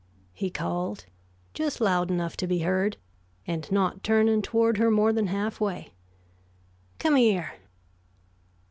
he called, just loud enough to be heard, and not turning toward her more than half way. "Come here."